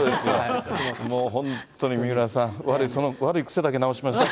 もう本当に三浦さん、悪い癖だけ直しましょ。